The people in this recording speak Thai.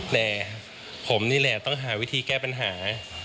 แต่ผมนี่แหละต้องหาวิธีแก้ปัญหา